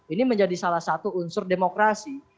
ini menjadi salah satu unsur demokrasi